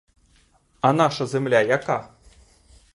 А наша земля яка?